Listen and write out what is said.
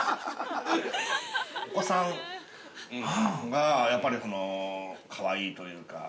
◆お子さんがやっぱりかわいいというか。